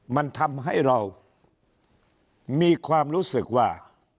มันทำให้เรามีความรู้สึกว่า